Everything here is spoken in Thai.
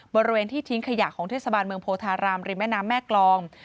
บริเวณที่ทิ้งขยะของเทศบาลเมืองโพธารามริมแม่น้ำแม่กรอง